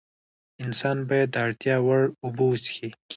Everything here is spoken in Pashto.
انسان باید د اړتیا وړ اوبه وڅښي